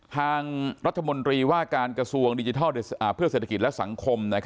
ทางรัฐมนตรีว่าการกระทรวงดิจิทัลเพื่อเศรษฐกิจและสังคม